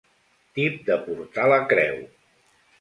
Tip de portar la creu.